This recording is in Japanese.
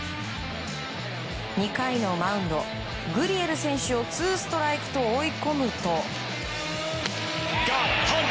２回のマウンド、グリエル選手をツーストライクと追い込むと。